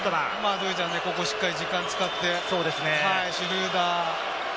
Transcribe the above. ドイツはここはしっかり時間を使ってシュルーダー。